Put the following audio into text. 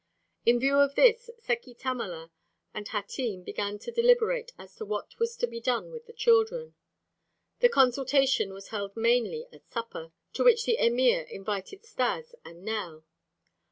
In view of this Seki Tamala and Hatim began to deliberate as to what was to be done with the children. The consultation was held mainly at supper, to which the emir invited Stas and Nell.